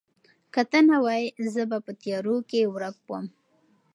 که ته نه وای، زه به په تیارو کې ورک وم.